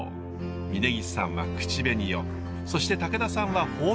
峯岸さんは口紅をそして武田さんは頬紅を塗ります。